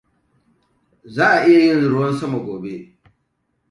Za'a iya yin ruwan sama gobe.